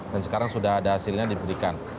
dan sekarang sudah ada hasilnya diberikan